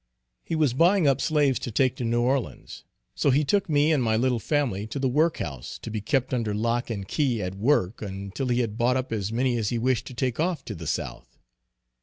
He was buying up slaves to take to New Orleans. So he took me and my little family to the work house, to be kept under lock and key at work until he had bought up as many as he wished to take off to the South.